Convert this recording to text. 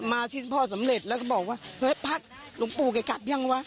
ที่พ่อสำเร็จแล้วก็บอกว่าเฮ้ยพักหลวงปู่แกกลับยังวะ